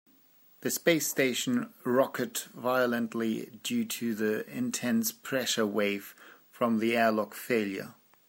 The space station rocked violently due to the intense pressure wave from the airlock failure.